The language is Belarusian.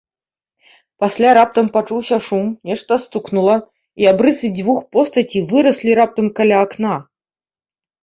Пасля раптам пачуўся шум, нешта стукнула, і абрысы дзвюх постацей выраслі раптам каля акна.